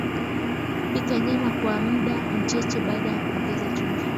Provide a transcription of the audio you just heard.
Pika nyama kwa mda mchache baada ya kuongeza chumvi